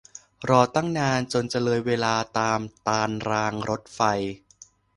รอตั้งนานจนจะเลยเวลาตามตารรางรถไฟ